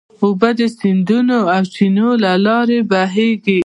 اوبه د سیندونو او چینو له لارې بهېږي.